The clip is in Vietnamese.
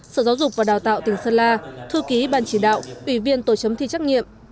sở giáo dục và đào tạo tỉnh sơn la thư ký ban chỉ đạo ủy viên tổ chấm thi trắc nghiệm